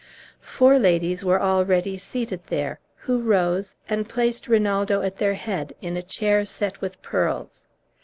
Four ladies were already seated there, who rose, and placed Rinaldo at their head, in a chair set with pearls.